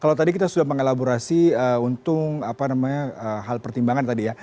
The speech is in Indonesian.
kalau tadi kita sudah mengelaborasi untuk hal pertimbangan tadi ya